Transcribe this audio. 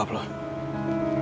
sampai jumpa lagi